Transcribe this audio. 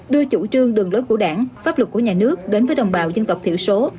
đưa chủ trương đường lối của đảng pháp luật của nhà nước đến với đồng bào dân tộc thiểu số